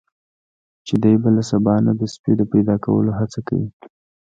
چې دی به له سبا نه د سپي د پیدا کولو هڅه کوي.